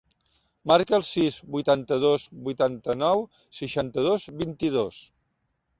Marca el sis, vuitanta-dos, vuitanta-nou, seixanta-dos, vint-i-dos.